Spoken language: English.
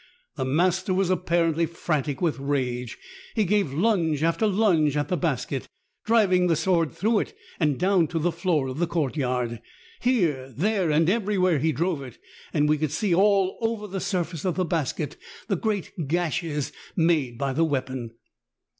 The master was apparently frantic with rage ; he gave lunge after lunge at the basket, driving the sword through it and down to the floor of the court yard. Here, there and every where he drove it, and we could see all over the JUGGLERS OP THE ORIENT. 95 surface of the basket the great gashes made by the weapon.